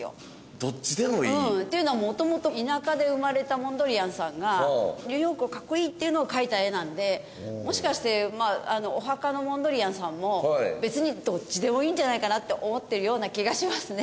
どっちでもいい？っていうのも元々田舎で生まれたモンドリアンさんがニューヨークをかっこいいっていうのを描いた絵なのでもしかしてお墓のモンドリアンさんも別にどっちでもいいんじゃないかなって思ってるような気がしますね。